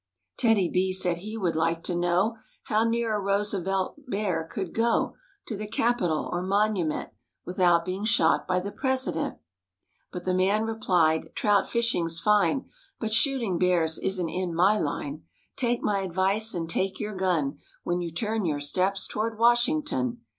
'' TEDDY B said he would like to know How near a Roosevelt Bear could go To the Capitol or Monument Without being shot by the President. But the man replied, " Trout¬ fishing's fine, But shooting bears isn't in my line. Take my advice and take your gun When you turn your steps towards Washington."